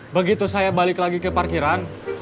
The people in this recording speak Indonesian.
begitu saya balik lagi ke parkiran